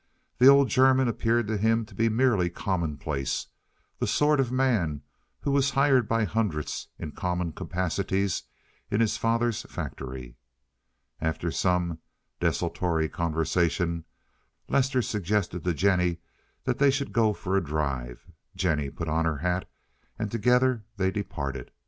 The old German appeared to him to be merely commonplace—the sort of man who was hired by hundreds in common capacities in his father's factory. After some desultory conversation Lester suggested to Jennie that they should go for a drive. Jennie put on her hat, and together they departed.